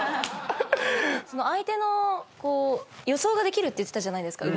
相手の予想ができるって言ってたじゃないですか